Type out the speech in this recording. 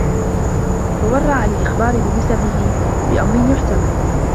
فَوَرَّى عَنْ الْإِخْبَارِ بِنَسَبِهِ بِأَمْرٍ يَحْتَمِلُ